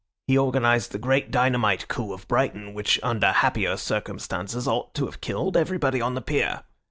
He organised the great dynamite coup of Brighton which, under happier circumstances, ought to have killed everybody on the pier.